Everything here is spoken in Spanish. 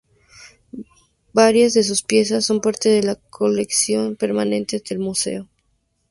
Varias de sus piezas son parte de las colecciones permanentes del museo.